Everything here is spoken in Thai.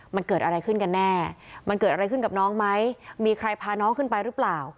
มันเกิดอะไรขึ้นกันแน่มันเกิดอะไรขึ้นกับน้องไหมมีใครพาน้องขึ้นไปหรือเปล่า